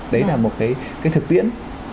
đấy là một cái thực tiễn